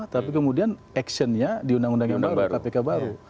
tapi kemudian actionnya di undang undang yang baru kpk baru